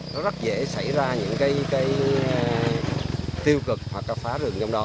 nó rất dễ xảy ra những cái tiêu cực hoặc là phá rừng trong đó